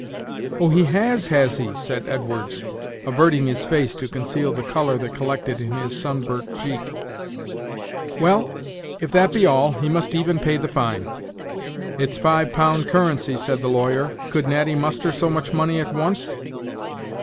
"Oh! he has, has he?" said Edwards, averting his face to conceal the color that collected in his sunburnt cheek. "Well, if that be all, he must even pay the fine." "It's five pound currency," said the lawyer; "could Natty muster so much money at once?"